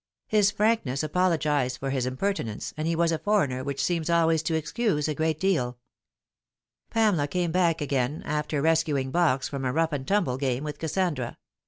His frankness apologised for his impertinence, and he was a foreigner, which seems always to excuse a great deaL Pamela came back again, after rescuing Box from a rough and tumble game with Kassandra.